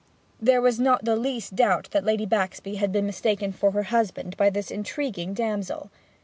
There was not the least doubt that Lady Baxby had been mistaken for her husband by this intriguing damsel.